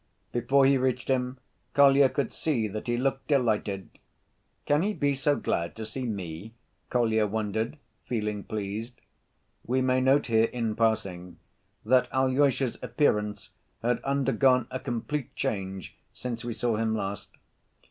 Before he reached him, Kolya could see that he looked delighted. "Can he be so glad to see me?" Kolya wondered, feeling pleased. We may note here, in passing, that Alyosha's appearance had undergone a complete change since we saw him last.